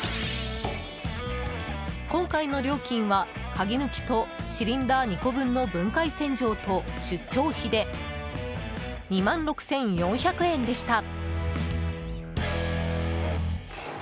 今回の料金は、鍵抜きとシリンダー２個分の分解洗浄と出張費で２万６４００円でした。